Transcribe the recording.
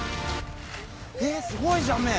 えっすごいじゃんメイ。